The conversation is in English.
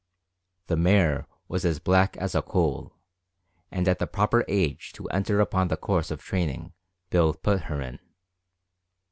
The mare was as black as a coal, and at the proper age to enter upon the course of training Bill put her in.